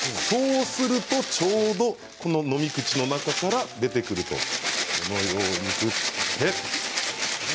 そうすると、ちょうど飲み口の中から出てくると。